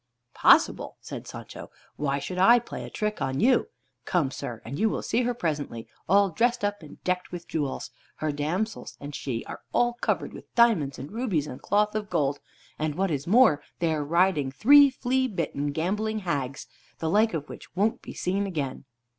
"Possible!" said Sancho. "Why should I play a trick on you? Come, sir, and you will see her presently, all dressed up and decked with jewels. Her damsels and she are all covered with diamonds, and rubies, and cloth of gold. And what is more, they are riding three flea bitten gambling hags, the like of which won't be seen again."